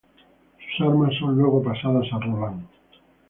Sus armas son luego pasadas a Roland.